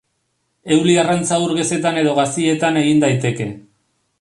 Euli-arrantza ur gezetan edo gazietan egin daiteke.